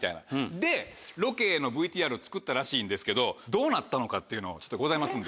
でロケのＶＴＲを作ったらしいんですけどどうなったのかっていうのをございますんで。